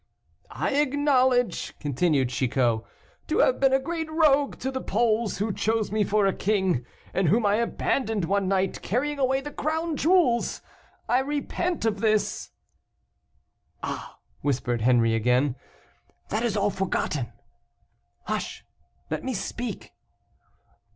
"I acknowledge," continued Chicot, "to have been a great rogue to the Poles, who chose me for king, and whom I abandoned one night, carrying away the crown jewels. I repent of this." "Ah!" whispered Henri again: "that is all forgotten." "Hush! let me speak."